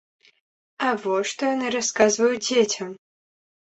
А вось што яны расказваюць дзецям!